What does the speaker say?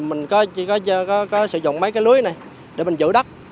mình chỉ có sử dụng mấy cái lưới này để mình giữ đất